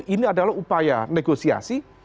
ini adalah upaya negosiasi